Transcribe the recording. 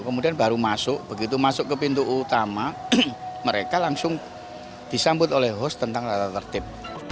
kemudian baru masuk begitu masuk ke pintu utama mereka langsung disambut oleh host tentang tata tertib